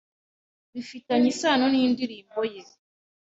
bifitanye isano nindirimbo ye